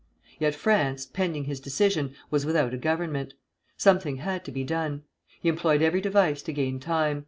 Yet France, pending his decision, was without a government. Something had to be done. He employed every device to gain time.